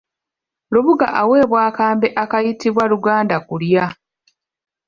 Lubuga aweebwa akambe akayitibwa lugandakulya.